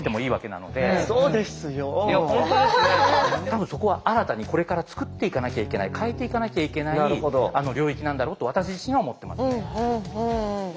多分そこは新たにこれから作っていかなきゃいけない変えていかなきゃいけない領域なんだろうと私自身は思ってますね。